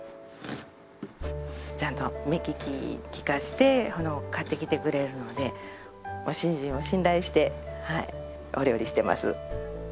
ちゃんと目利きを利かせて買ってきてくれるので主人を信頼してお料理してます。